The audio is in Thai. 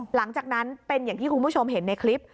หลังจากนั้นเป็นอย่างที่คุณผู้ชมเห็นในคลิป